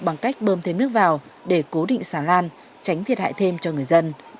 bằng cách bơm thêm nước vào để cố định xà lan tránh thiệt hại thêm cho người dân